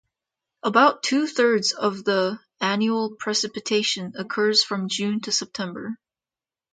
About two-thirds of the of annual precipitation occurs from June to September.